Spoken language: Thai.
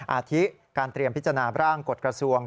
อาทิการเตรียมพิจารณาร่างกฎกระทรวง